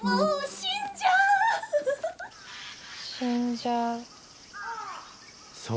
死んじゃう。